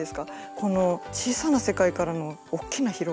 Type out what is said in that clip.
この小さな世界からの大きな広がりって